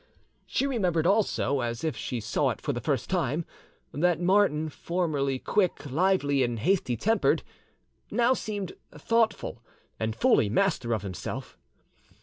She remembered also, as if she saw it for the first time, that Martin, formerly quick, lively, and hasty tempered, now seemed thoughtful, and fully master of himself.